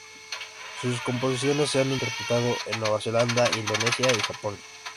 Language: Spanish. Sus composiciones se han interpretado en Nueva Zelanda, Indonesia y Japón.